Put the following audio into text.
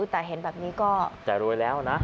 แต่เห็นแบบนี้ก็จะรวยแล้วนะ